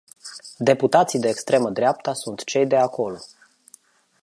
Deputații de extremă dreapta sunt cei de acolo.